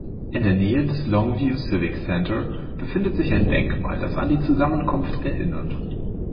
In der Nähe des Longview Civic Center befindet sich ein Denkmal, das an in die Zusammenkunft erinnert.